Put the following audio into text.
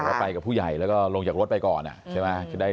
แล้วไปกับผู้ใหญ่แล้วก็ลงจากรถไปก่อนใช่ไหม